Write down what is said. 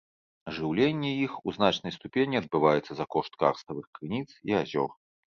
Жыўленне іх у значнай ступені адбываецца за кошт карставых крыніц і азёр.